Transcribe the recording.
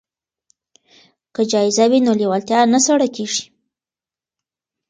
که جایزه وي نو لیوالتیا نه سړه کیږي.